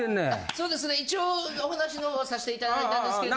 そうですね一応お話のほうはさせて頂いたんですけど。